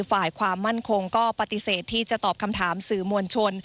ฝ่ายความมั่นคงก็ปฏิเสธที่จะตอบคำถามสื่อมวลชน